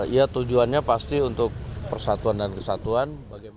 ya tujuannya pasti untuk persatuan dan kesatuan